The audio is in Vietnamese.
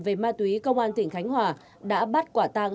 về ma túy công an tỉnh khánh hòa đã bắt quả tàng